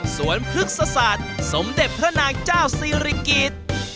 ๓สวนพฤกษศาสตร์สมเด็จเพื่อนางเจ้าซีริกิต